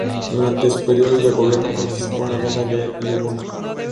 Durante su período de gobierno participó en la Guerra Livona.